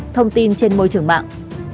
thông tin trên môi trường mạng